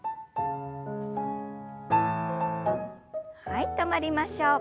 はい止まりましょう。